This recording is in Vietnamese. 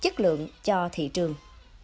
chất lượng cho thị trường